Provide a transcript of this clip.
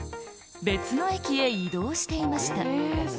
別の駅へ移動していました。